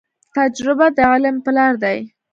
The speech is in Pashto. تجربه د علم پلار دی.